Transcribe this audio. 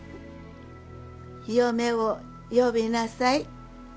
嫁を呼びなさい。